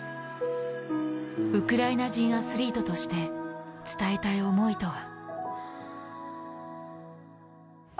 ウクライナ人アスリートとして伝えたい思いとは。